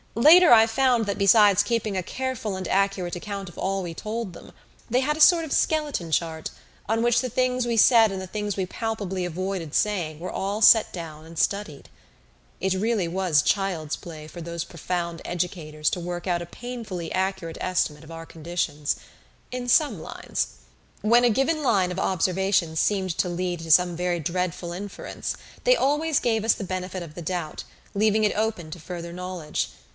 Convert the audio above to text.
Later I found that besides keeping a careful and accurate account of all we told them, they had a sort of skeleton chart, on which the things we said and the things we palpably avoided saying were all set down and studied. It really was child's play for those profound educators to work out a painfully accurate estimate of our conditions in some lines. When a given line of observation seemed to lead to some very dreadful inference they always gave us the benefit of the doubt, leaving it open to further knowledge.